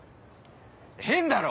変だろ！